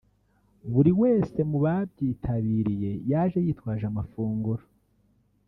Buri wese mu babyitabiriye yaje yitwaje amafunguro